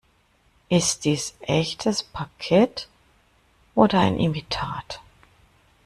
Ist dies echtes Parkett oder ein Imitat?